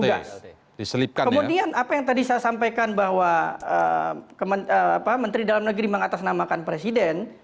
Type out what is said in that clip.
jadi kemudian apa yang tadi saya sampaikan bahwa menteri dalam negeri mengatasnamakan presiden